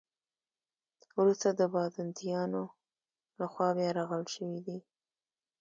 وروسته د بازنطینانو له خوا بیا رغول شوې دي.